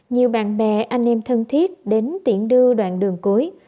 nhiều bạn bè anh em thân thiết đến tiễn đưa đoạn đường cuối